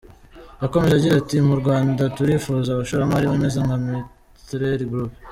Yakomeje agira ati “Mu Rwanda turifuza abashoramari bameze nka Mitrelli Group.